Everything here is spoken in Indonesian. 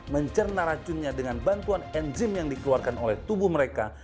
mencerna racunnya dengan bantuan enzim yang dikeluarkan oleh tubuh mereka